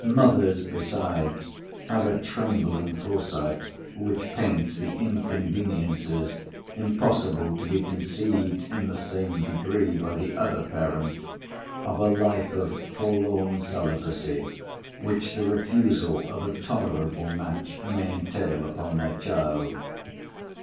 Mothers, besides, have a trembling foresight, which paints the inconveniences (impossible to be conceived in the same degree by the other parent) of a life of forlorn celibacy, which the refusal of a tolerable match may entail upon their child.